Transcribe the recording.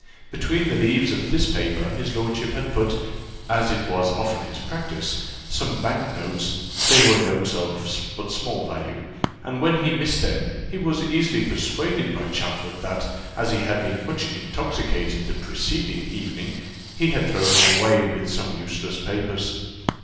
Between the leaves of this paper his lordship had put, as it was often his practice, some bank notes: they were notes but of small value, and when he missed them he was easily persuaded by Champfort that, as he had been much intoxicated the preceding night, he had thrown them away with some useless papers.